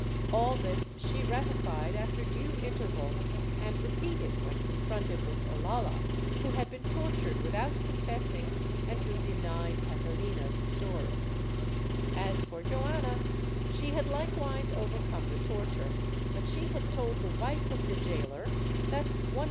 All this she ratified after due interval and repeated when confronted with Olalla, who had been tortured without confessing and who denied Catalina's story. As for Joana, she had likewise overcome the torture, but she had told the wife of the gaoler that one night * Archive de Simancas, Patronato Real, Leg. linico, fol.